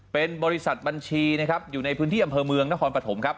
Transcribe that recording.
เป็นบริษัทบัญชีนะครับอยู่ในพื้นที่อำเภอเมืองนครปฐมครับ